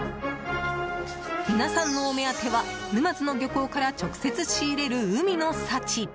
皆さんのお目当ては沼津の漁港から直接仕入れる海の幸。